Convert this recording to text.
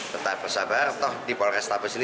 tetap bersabar toh di polrestabes ini